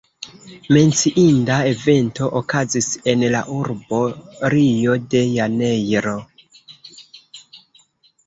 Menciinda evento okazis en la urbo Rio de janeiro.